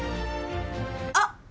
あっ！